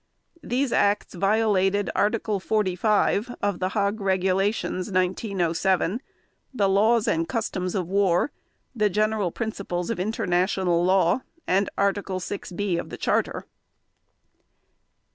These acts violated Article 45 of the Hague Regulations, 1907, the laws and customs of war, the general principles of international law, and Article 6 (b) of the Charter.